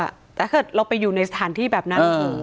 แต่ถ้าเกิดเราไปอยู่ในสถานที่แบบนั้น